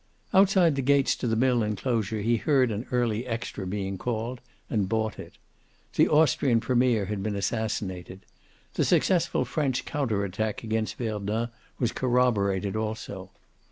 Outside the gates to the mill enclosure he heard an early extra being called, and bought it. The Austrian premier had been assassinated. The successful French counter attack against Verdun was corroborated, also.